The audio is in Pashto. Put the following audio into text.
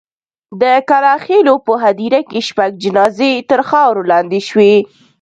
د کلا خېلو په هدیره کې شپږ جنازې تر خاورو لاندې شوې.